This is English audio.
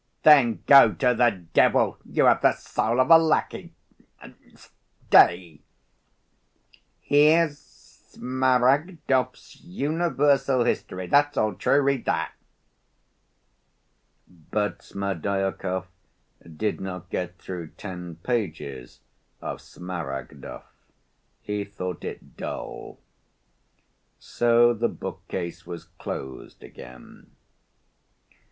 "Then go to the devil! You have the soul of a lackey. Stay, here's Smaragdov's Universal History. That's all true. Read that." But Smerdyakov did not get through ten pages of Smaragdov. He thought it dull. So the bookcase was closed again.